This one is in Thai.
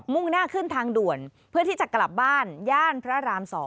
่งหน้าขึ้นทางด่วนเพื่อที่จะกลับบ้านย่านพระราม๒